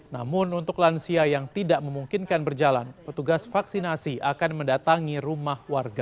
namun untuk lansia yang tidak memungkinkan berjalan petugas vaksinasi akan mendatangi rumah warga